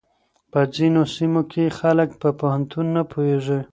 په ځينو سيمو کې خلک په پوهنتون نه پوهېږي.